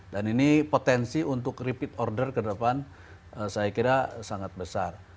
dan ini potensi untuk repeat order ke depan saya kira sangat besar